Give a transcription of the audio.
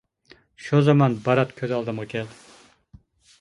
شۇ زامان بارات كۆز ئالدىمغا كەلدى.